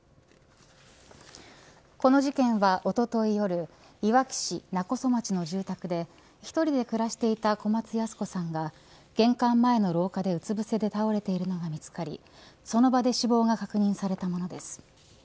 この事件は、おととい夜いわき市勿来町の住宅で１人で暮らしていた小松ヤス子さんが玄関前の廊下で、うつぶせで倒れているのが見つかりその場で死亡が確認されたものです。